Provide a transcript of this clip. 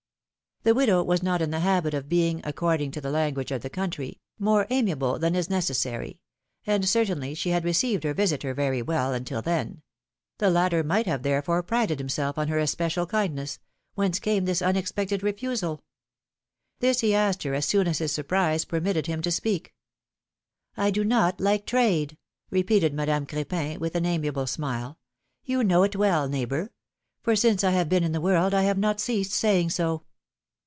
The widow was not in the habit of being, according to the language of the country, more amiable than is neces philomI]ne's marriages. 31 sary/^ and certainly she had received her visitor very well, until then ; the latter might have therefore prided himself on her especial kindness: whence came this unexpected refusal ? This he asked her as soon as his surprise per mitted him to speak. I do not like trade/^ repeated Madame Cr^pin, with an amiable smile, ^^you know it well, neighbor; for since I have been in the world, I have not ceased saying so."